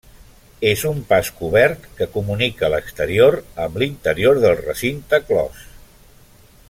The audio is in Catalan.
És un pas cobert que comunica l'exterior amb l'interior del recinte clos.